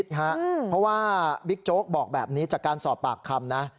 เพราะว่าบิ๊กโจ๊กบอกแบบนี้จากการสอบปากคำนะ